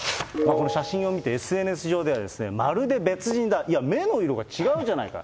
この写真を見て、ＳＮＳ上では、まるで別人だ、いや、目の色が違うじゃないか。